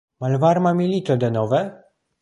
Malvarma milito denove?